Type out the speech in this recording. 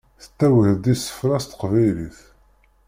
Tettawiḍ-d isefra s teqbaylit.